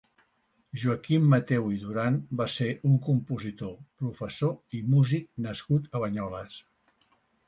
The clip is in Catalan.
Joaquim Mateu i Duran va ser un compositor, professor i músic nascut a Banyoles.